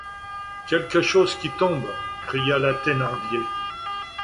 Quelque chose qui tombe! cria la Thénardier.